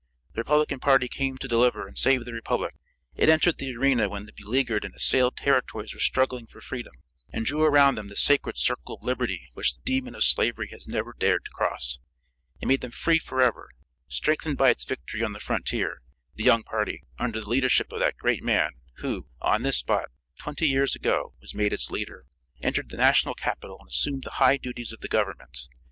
The Republican party came to deliver and save the Republic. It entered the arena when the beleaguered and assailed territories were struggling for freedom, and drew around them the sacred circle of liberty which the demon of slavery has never dared to cross. It made them free forever. Strengthened by its victory on the frontier, the young party, under the leadership of that great man who, on this spot, twenty years ago, was made its leader, entered the national capitol and assumed the high duties of the government.